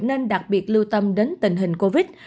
nên đặc biệt lưu tâm đến tình hình covid